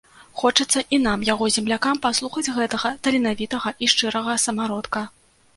Хочацца і нам, яго землякам, паслухаць гэтага таленавітага і шчырага самародка.